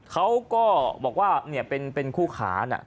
เขาก็บอกว่าเนี่ยเป็นเป็นคู่ขาเนี่ย